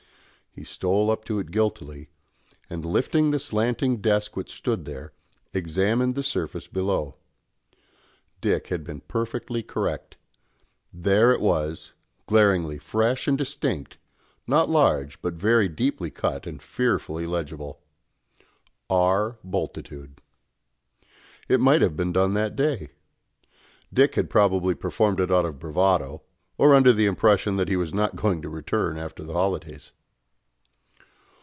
He stole up to it guiltily, and, lifting the slanting desk which stood there, examined the surface below. Dick had been perfectly correct. There it was, glaringly fresh and distinct, not large but very deeply cut and fearfully legible. "R. Bultitude." It might have been done that day. Dick had probably performed it out of bravado, or under the impression that he was not going to return after the holidays.